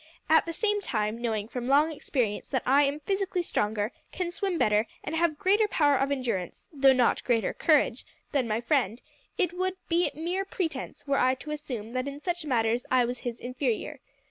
At the same time, knowing from long experience that I am physically stronger, can swim better, and have greater power of endurance, though not greater courage, than my friend, it would be mere pretence were I to assume that in such matters I was his inferior.